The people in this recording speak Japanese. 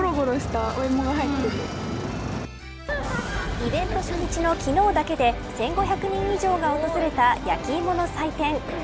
イベント初日の昨日だけで１５００人以上が訪れた焼き芋の祭典。